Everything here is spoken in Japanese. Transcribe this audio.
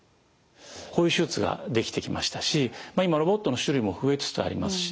こういう手術ができてきましたし今ロボットの種類も増えつつありますしね